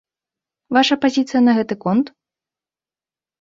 Ваша пазіцыя на гэты конт?